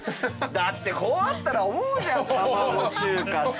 だってこうあったら思うじゃん「玉子中華」って。